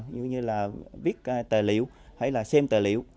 như như là viết tờ liệu hay là xem tờ liệu